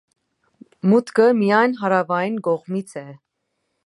Մուտքը միայն հարավային կողմից է։